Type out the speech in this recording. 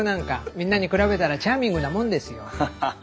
みんなに比べたらチャーミングなもんですよ。ハハハ。